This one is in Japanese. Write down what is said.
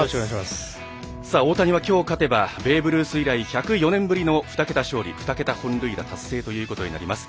大谷は、きょう勝てばベーブ・ルース以来１０４年ぶりの２桁勝利２桁本塁打達成となります。